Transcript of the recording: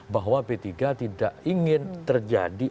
bahwa p tiga tidak ingin terjadi